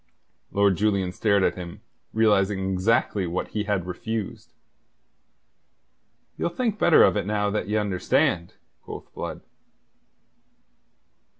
Lord Julian stared at him, realizing exactly what he had refused. "You'll think better of it now that ye understand?" quoth Blood.